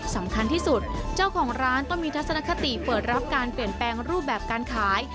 สำคัญที่สุดเจ้าของร้านต้องมีทัศนคติเปิดรับการเปลี่ยนแปลงรูปแบบการขาย